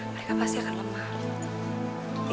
mereka pasti akan lemah